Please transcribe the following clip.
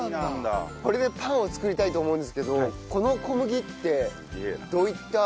これでパンを作りたいと思うんですけどこの小麦ってどういった小麦になりますか？